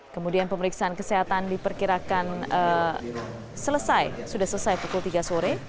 kemudian pemeriksaan kesehatan diperkirakan selesai sudah selesai pukul tiga sore